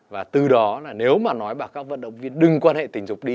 và từ đó là nếu mà nói bà các vận động viên đừng quan hệ tình dục đi